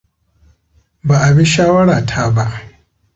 Ba a bi shawarata ba.